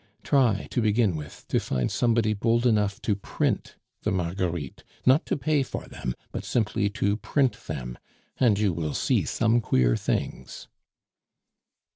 Try, to begin with, to find somebody bold enough to print the Marguerites; not to pay for them, but simply to print them; and you will see some queer things."